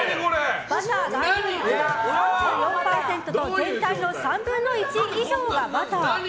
バター含有率が３４％と全体の３分の１以上がバター。